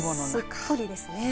すっぽりですね。